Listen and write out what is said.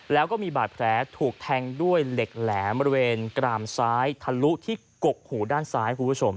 แล้วก็มีบาดแผลถูกแทงด้วยเหล็กแหลมบริเวณกรามซ้ายทะลุที่กกหูด้านซ้ายคุณผู้ชม